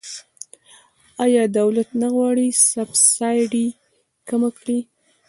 آیا دولت نه غواړي سبسایډي کمه کړي؟